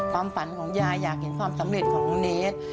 ความฝันของยายอยากเห็นความสำเร็จของลุงเนส